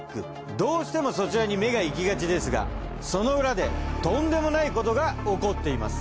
どうしてもそちらに目が行きがちですがその裏でとんでもないことが起こっています。